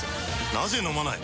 なぜ飲まない？